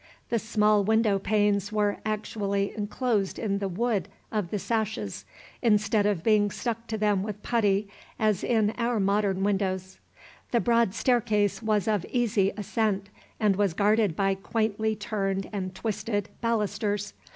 The small window panes were actually inclosed in the wood of the sashes instead of being stuck to them with putty, as in our modern windows. The broad staircase was of easy ascent, and was guarded by quaintly turned and twisted balusters.